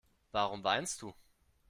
Warum weinst du?